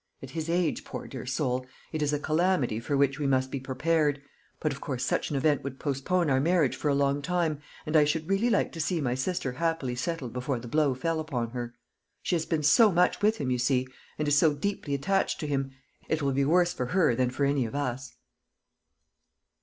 At his age, poor dear soul, it is a calamity for which we must be prepared, but of course such an event would postpone our marriage for a long time, and I should really like to see my sister happily settled before the blow fell upon her. She has been so much with him, you see, and is so deeply attached to him it will be worse for her than for any of us."